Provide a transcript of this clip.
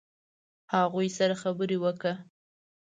هغوی سره خبرې وکړه.